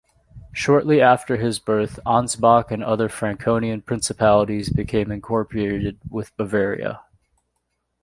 Shortly after his birth Ansbach and other Franconian principalities became incorporated with Bavaria.